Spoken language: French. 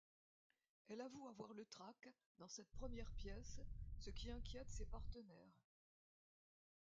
Elle avoue avoir le trac dans cette première pièce, ce qui inquiète ses partenaires.